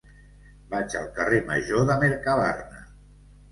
Vaig al carrer Major de Mercabarna.